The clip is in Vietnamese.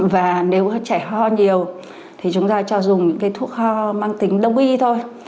và nếu trẻ ho nhiều thì chúng ta cho dùng những cái thuốc ho mang tính đông y thôi